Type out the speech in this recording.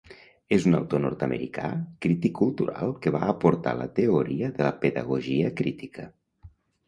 És un autor nord-americà crític cultural, que va aportar la teoria de la pedagogia crítica.